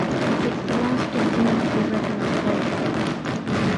It is the last documentary reference available.